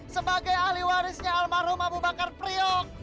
sebagai ahli warisnya almarhum abu bakar priok